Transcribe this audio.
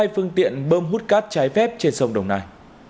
hai phương tiện bơm hút cát trái phép trên sông đồng nai